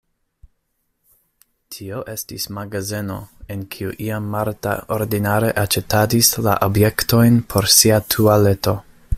Tio estis magazeno, en kiu iam Marta ordinare aĉetadis la objektojn por sia tualeto.